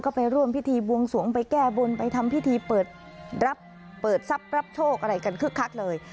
ก็ไปร่วมพิธีบวงสวงไปแก้บนไปทำพิธีเปิดรับเปิดทรัพย์รับโชคอะไรกันคึกคักเลย